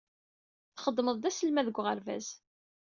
Txeddmeḍ d aselmad deg uɣerbaz.